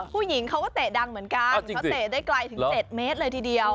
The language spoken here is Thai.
ผู้หญิงเขาก็เตะดังเหมือนกันเขาเตะได้ไกลถึง๗เมตรเลยทีเดียว